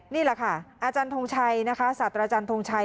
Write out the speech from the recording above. นี่แหละค่ะอาจารย์ทงชัยนะคะศาสตราจารย์ทงชัย